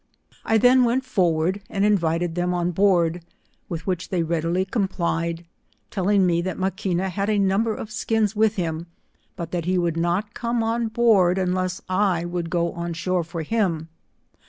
I then went forward and invited them on hoard, with which they readily complied, telling me that Maquina had a number of skins with him, but tbat he would not come on board unless I would go on flhore for him.